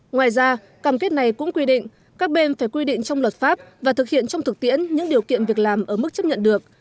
ngoài ra cam kết này cũng quy định các bên phải quy định trong luật pháp và thực hiện trong thực tiễn những điều kiện việc làm ở mức chấp nhận được